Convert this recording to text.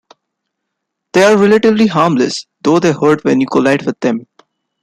They are relatively harmless, though they hurt when you collide with them.